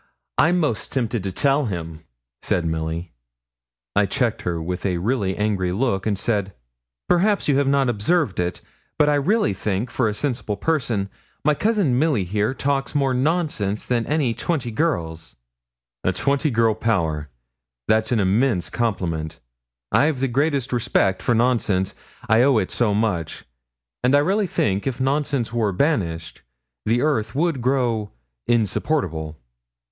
I'm 'most tempted to tell him,' said Milly. I checked her with a really angry look, and said, 'Perhaps you have not observed it; but I really think, for a sensible person, my cousin Milly here talks more nonsense than any twenty other girls.' 'A twenty girl power! That's an immense compliment. I've the greatest respect for nonsense, I owe it so much; and I really think if nonsense were banished, the earth would grow insupportable.'